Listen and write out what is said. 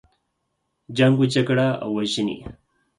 جنګ و جګړه او وژنې.